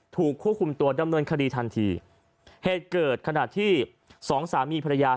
ถูกควบคุมตัวดำเนินคดีทันทีเหตุเกิดขณะที่สองสามีภรรยา